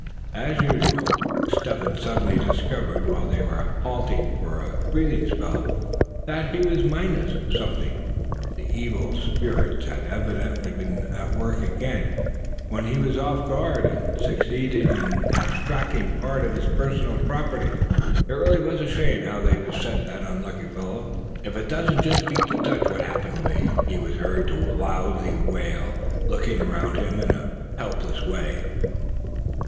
As usual Step Hen suddenly discovered, while they were halting for a breathing spell, that he was minus something. The evil spirits had evidently been at work again, when he was off his guard, and succeeded in abstracting part of his personal property. It really was a shame how they beset that unlucky fellow. "If it don't just beat the Dutch what happens to me?" he was heard to loudly wail, looking around him in a helpless way.